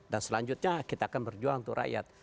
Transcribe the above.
dan selanjutnya kita akan berjuang untuk rakyat